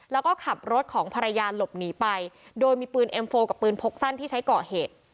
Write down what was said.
แล้วก็ขับรถของภรรยาหลบหนีไปโดยมีปืนเอ็มโฟกับปืนพกสั้นที่ใช้ก่อเหตุ